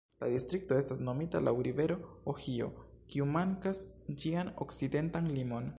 La distrikto estas nomita laŭ rivero Ohio, kiu markas ĝian okcidentan limon.